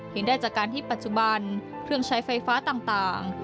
เห็นได้จากการที่ปัจจุบันเครื่องใช้ไฟฟ้าต่าง